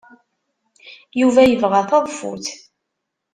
Yuba yebɣa taḍeffut.